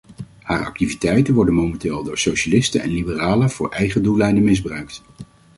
Haar activiteiten worden momenteel al door socialisten en liberalen voor eigen doeleinden misbruikt.